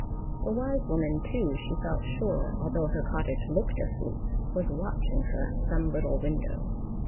The wise woman, too, she felt sure, although her cottage looked asleep, was watching her at some little window.